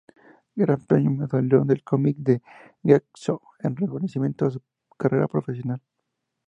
Gran Premio Salón del Cómic de Getxo, en reconocimiento a su carrera profesional.